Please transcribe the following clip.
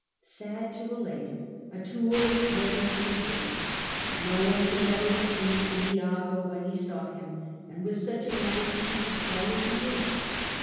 Sad to relate, a tool was ready to his hand. No one knew better than he an lago when he saw him, and with such a man he could play as he would.